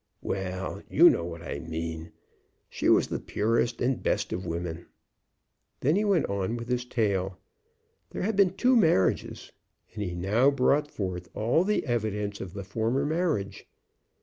"Well, you know what I mean. She was the purest and best of women." Then he went on with his tale. There had been two marriages, and he now brought forth all the evidence of the former marriage.